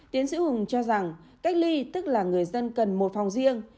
tiến sĩ hùng cho rằng cách ly tức là người dân cần một phòng riêng